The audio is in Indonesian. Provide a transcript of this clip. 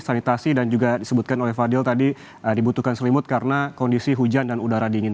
sanitasi dan juga disebutkan oleh fadil tadi dibutuhkan selimut karena kondisi hujan dan udara dingin